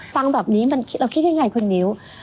ฟังแบบนี้เราคิดยังไงคุณนิ้ว